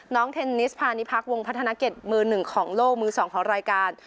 เทนนิสพานิพักวงพัฒนาเก็ตมือหนึ่งของโลกมือสองของรายการ